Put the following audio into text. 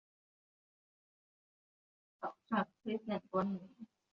展枝沙参为桔梗科沙参属的植物。